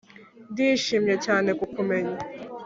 ndishimye cyane kukumenya